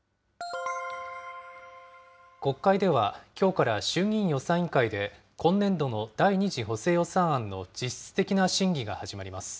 国会では、きょうから衆議院予算委員会で今年度の第２次補正予算案の実質的な審議が始まります。